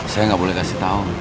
saya gak boleh kasih tau